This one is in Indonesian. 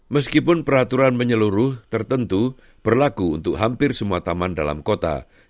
meskipun peraturan menyeluruh tertentu berlaku untuk hampir semua taman dalam kota